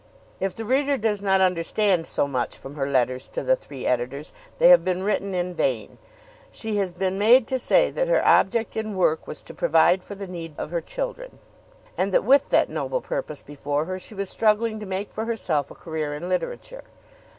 If the reader does not understand so much from her letters to the three editors they have been written in vain. She has been made to say that her object in work was to provide for the need of her children, and that with that noble purpose before her she was struggling to make for herself a career in literature.